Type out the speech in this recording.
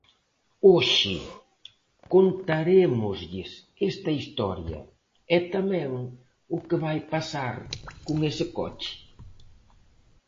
Hoxe contarémoslles esta historia e tamén o que vai pasar con ese coche.